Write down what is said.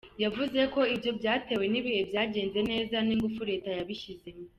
Yavuze ko ibyo byatewe n'ibihe byagenze neza n'ingufu Leta yabishyizemo.